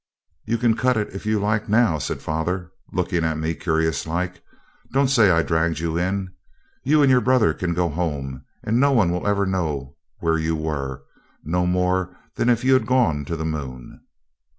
'You can cut it if you like now,' said father, looking at me curious like. 'Don't say I dragged you in. You and your brother can go home, and no one will ever know where you were; no more than if you'd gone to the moon.'